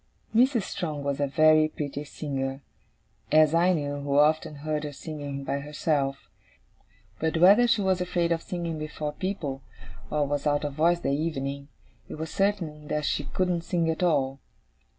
Mrs. Strong was a very pretty singer: as I knew, who often heard her singing by herself. But, whether she was afraid of singing before people, or was out of voice that evening, it was certain that she couldn't sing at all.